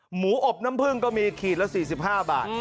หมูอบน้ำพึ่งก็มีขีดละ๔๕บาท